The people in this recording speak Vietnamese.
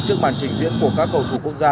trước màn trình diễn của các cầu thủ quốc gia